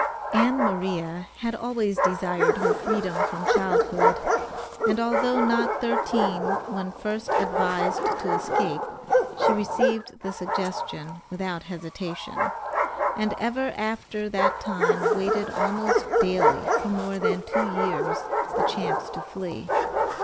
Ann Maria had always desired her freedom from childhood, and although not thirteen, when first advised to escape, she received the suggestion without hesitation, and ever after that time waited almost daily, for more than two years, the chance to flee.